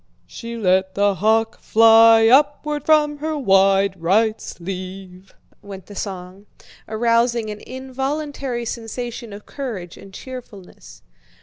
"She let the hawk fly upward from her wide right sleeve," went the song, arousing an involuntary sensation of courage and cheerfulness.